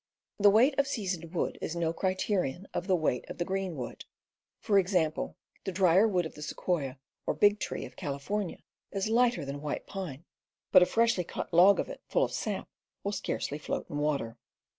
The weight of seasoned wood is no criterion of the weight of the green wood : for example, the dry wood of the sequoia or big tree of California is lighter than white pine, but a freshly cut log of it, full of sap, will scarcely float in water.